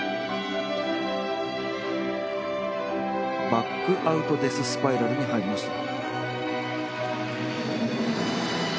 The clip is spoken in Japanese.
バックアウトデススパイラルに入りました。